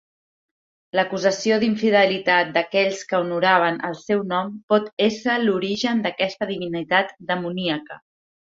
L'acusació d'infidelitat d'aquells que honoraven el seu nom pot ésser l'origen d'aquesta divinitat demoníaca.